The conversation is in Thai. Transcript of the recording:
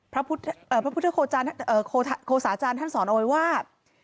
พระพุทธโครโสาธิ์จารย์ท่านสอนไว้ว่า